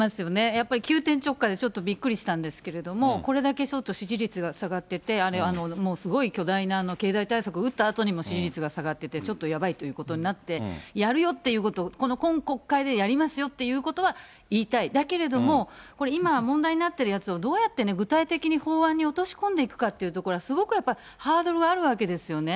やっぱり急転直下でちょっとびっくりしたんですけれども、これだけちょっと支持率が下がってて、すごい巨大な経済対策打ったあとにも支持率が下がってて、ちょっとやばいってことになって、やるよっていうことを、今国会でやりますよっていうことは言いたい、だけれども、これ今問題になってるやつを、どうやって具体的に法案に落とし込んでいくかというところは、すごくやっぱり、ハードルがあるわけですよね。